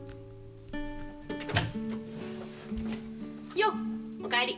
よっおかえり。